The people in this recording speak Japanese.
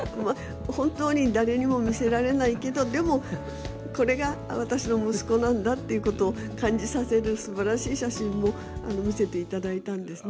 本当に誰にも見せられないけど、でも、これが私の息子なんだということを、感じさせるすばらしい写真を見せていただいたんですね。